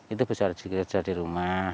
itu besar juga kerja di rumah